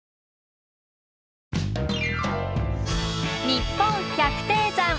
「にっぽん百低山」。